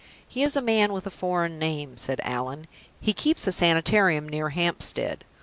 "He is a man with a foreign name," said Allan. "He keeps a Sanitarium near Hampstead.